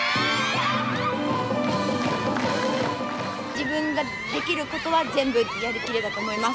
自分ができることは全部やりきれたと思います。